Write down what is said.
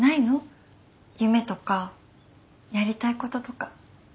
夢とかやりたいこととか。